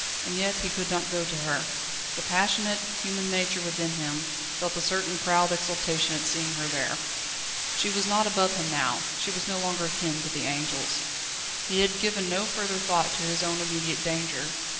And yet he could not go to her. The passionate, human nature within him felt a certain proud exultation at seeing her there. She was not above him now, she was no longer akin to the angels. He had given no further thought to his own immediate danger.